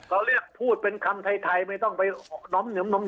เราเรียกพูดเป็นคำไทยไม่ต้องไปน้ำเหนียมเลย